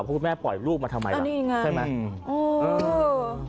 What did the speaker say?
เพราะคุณแม่ปล่อยลูกมาทำไมล่ะใช่ไหมเออสงสาร